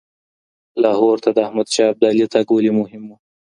لاهور ته د احمد شاه ابدالي تګ ولې مهم و؟